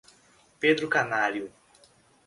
Pedro Canário